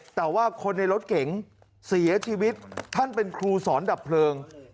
แต่ว่าคนในรถเก๋งเสียชีวิตท่านเป็นครูสอนดับเพลิง